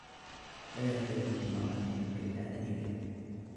لا يحتاج لامرأة كي تعتني به.